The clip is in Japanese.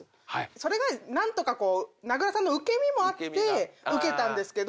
それが何とか名倉さんの受け身もあってウケたんですけど